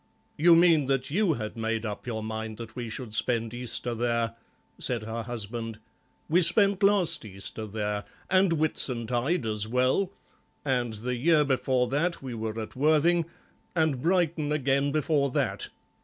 "You mean that you had made up your mind that we should spend Easter there," said her husband; "we spent last Easter there, and Whitsuntide as well, and the year before that we were at Worthing, and Brighton again before that.